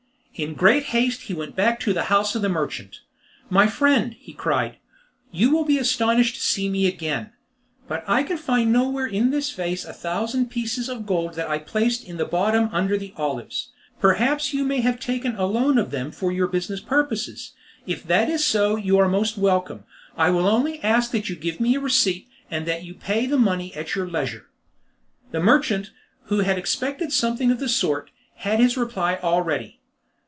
In great haste he went back to the house of the merchant. "My friend," he cried, "you will be astonished to see me again, but I can find nowhere in this vase a thousand pieces of gold that I placed in the bottom under the olives. Perhaps you may have taken a loan of them for your business purposes; if that is so you are most welcome. I will only ask you to give me a receipt, and you can pay the money at your leisure." The merchant, who had expected something of the sort, had his reply all ready.